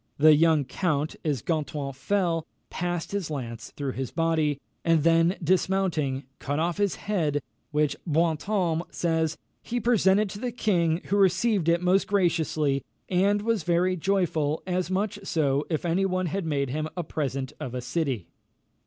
The young count, as Gontran fell, passed his lance through his body, and then dismounting, cut off his head, which, Brantôme says, "he presented to the king, who received it most graciously, and was very joyful, as much so as if any one had made him a present of a city."